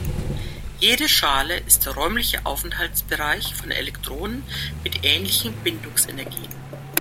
Jede Schale ist der räumliche Aufenthaltsbereich von Elektronen mit ähnlichen Bindungsenergien.